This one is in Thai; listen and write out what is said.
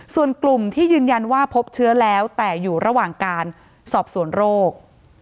ส่วนกลุ่มที่ยืนยันว่าพบเชื้อแล้วแต่อยู่ระหว่างการสอบสวนโรค